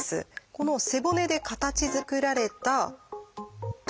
この背骨で形づくられたトンネル。